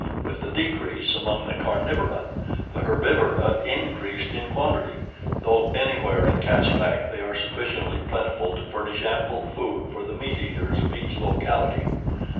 With the decrease among the carnivora, the herbivora increased in quantity, though anywhere in Caspak they are sufficiently plentiful to furnish ample food for the meateaters of each locality.